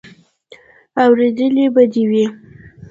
اورېدلې به دې وي.